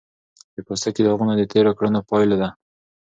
د پوستکي داغونه د تېرو کړنو پایله ده.